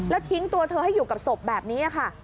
แล้วทิ้งตัวเธอให้อยู่กับศพแบบนี้ค่ะ